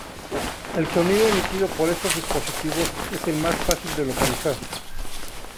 El sonido emitido por estos dispositivos es el más fácil de localizar.